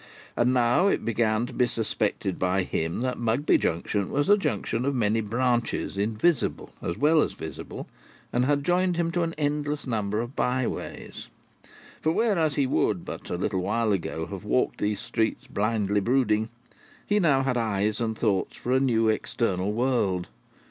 And now it began to be suspected by him that Mugby Junction was a Junction of many branches, invisible as well as visible, and had joined him to an endless number of byways. For, whereas he would, but a little while ago, have walked these streets blindly brooding, he now had eyes and thoughts for a new external world.